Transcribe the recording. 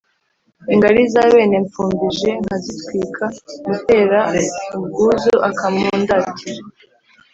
Ingali za bene Mfumbije nkazitwika; mutera ubwuzu akimundatira